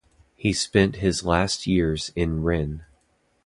He spent his last years in Rennes.